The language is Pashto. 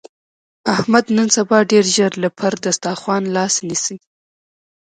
احمد نن سبا ډېر ژر له پر دستاخوان لاس نسي.